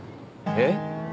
えっ？